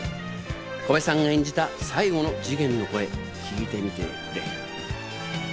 小林さんが演じた最後の次元の声、聞いてみてくれ。